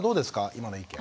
今の意見。